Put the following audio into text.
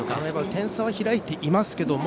点差は開いていますけども